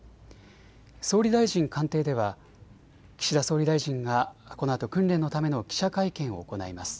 総理大臣官邸では岸田総理大臣がこのあと訓練のための記者会見を行います。